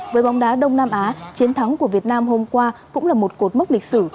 với bóng đá đông nam á chiến thắng của việt nam hôm qua cũng là một cột mốc lịch sử